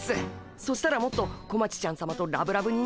そしたらもっと小町ちゃんさまとラブラブになれるっす。